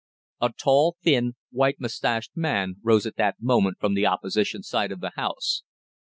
A tall, thin, white moustached man rose at that moment from the Opposition side of the House.